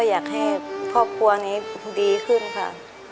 อยากให้ครอบครัวนี้ดีขึ้นค่ะ